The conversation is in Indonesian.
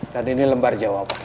dan ini lembar jawabannya